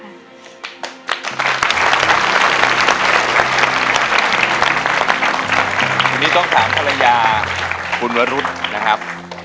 วันนี้ต้องถามภรรยาคุณวรุษนะครับ